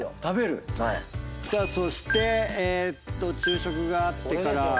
食べる⁉そして昼食があってから。